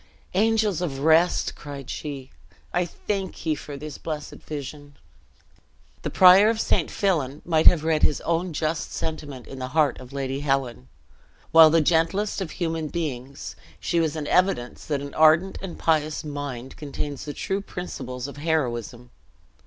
"Angels of rest," cried she, "I thank ye for this blessed vision!" The prior of St. Fillan might have read his own just sentiment in the heart of Lady Helen. While the gentlest of human beings, she was an evidence that an ardent and pious mind contains the true principles of heroism.